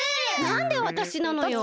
なんでわたしなのよ！